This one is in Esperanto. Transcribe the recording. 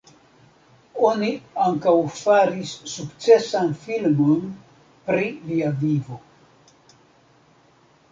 Oni ankaŭ faris sukcesan filmon pri lia vivo.